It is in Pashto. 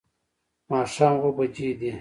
ماښام اووه بجې دي